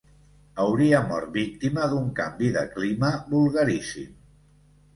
Hauria mort víctima d'un canvi de clima vulgaríssim.